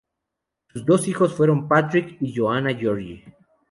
Sus dos hijos fueron Patrick y Joanna Gregory.